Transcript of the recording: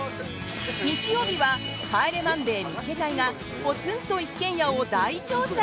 日曜日は「帰れマンデー見っけ隊！！」が「ポツンと一軒家」を大調査！